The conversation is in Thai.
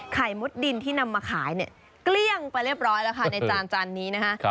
มุดดินที่นำมาขายเนี่ยเกลี้ยงไปเรียบร้อยแล้วค่ะในจานจานนี้นะคะ